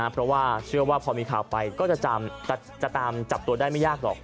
เพราะว่าเชื่อว่าพอมีข่าวไปก็จะตามจับตัวได้ไม่ยากหรอก